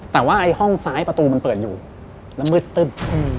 แต่ว่าไอ้ห้องซ้ายประตูมันเปิดอยู่แล้วมืดตึ๊บ